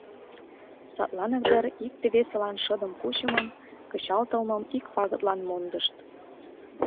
Садланак дыр икте-весылан шыдым кучымым, кычалтылмым ик пагытлан мондышт.